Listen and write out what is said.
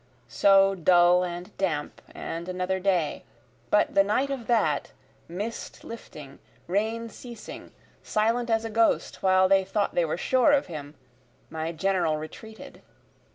So dull and damp and another day, But the night of that, mist lifting, rain ceasing, Silent as a ghost while they thought they were sure of him, my General retreated.